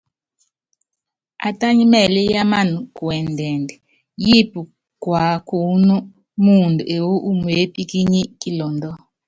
Atányí mɛɛlí yámanána kuɛndɛnd, yíípi kuakuúnɔ́ muundɔ ewú umeépíkínyí kilɔndɔ.